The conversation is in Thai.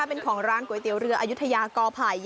เป็นของร้านก๋วยเตี๋ยวเรืออายุทยากอไผ่